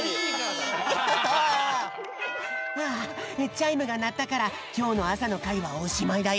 チャイムがなったからきょうのあさのかいはおしまいだよ。